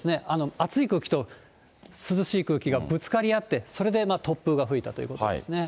熱い空気と涼しい空気がぶつかり合って、それで突風が吹いたということですね。